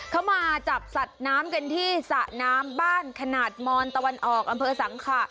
เขามาจับสัตว์น้ำกันที่สระน้ำบ้านขนาดมอนตะวันออกอำเภอสังขะ